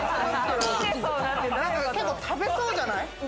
結構食べそうじゃない？